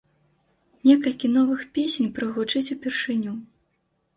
Некалькі новых песень прагучыць упершыню.